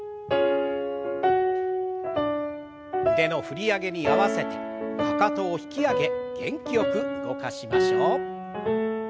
腕の振り上げに合わせてかかとを引き上げ元気よく動かしましょう。